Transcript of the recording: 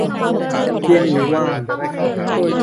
เที่ยงนี้ว่าง